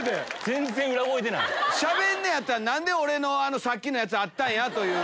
しゃべんのやったら何で俺のさっきのやつあったんやと。